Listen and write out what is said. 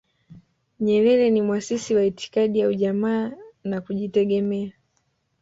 nyerere ni mwasisi wa itikadi ya ujamaa na kujitegemea